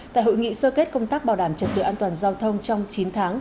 tại hội nghị sơ kết công tác bảo đảm trật tự an toàn giao thông trong chín tháng